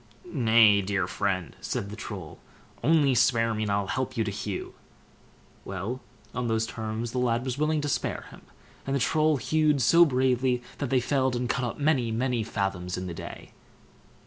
"Nay, dear friend!" said the Troll, "only spare me, and I'll help you to hew." Well, on those terms the lad was willing to spare him, and the Troll hewed so bravely, that they felled and cut up many, many fathoms in the day.